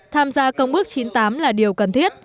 tham gia công ước chín mươi tám là điều cần thiết